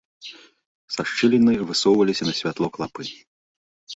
Са шчыліны высоўваліся на святло клапы.